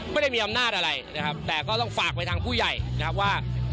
ไม่ได้มีอำนาจอะไรนะครับแต่ก็ต้องฝากไปทางผู้ใหญ่นะครับว่า